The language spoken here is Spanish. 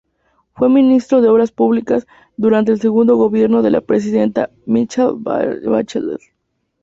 Fue Ministro de Obras Públicas durante el segundo gobierno de la presidenta Michelle Bachelet.